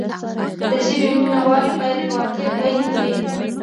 د ژبې مینه وال باید واقع بین وي.